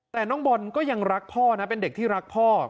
แต่น้องบอลก็ยังรักพ่อนะเป็นเด็กที่รักพ่อ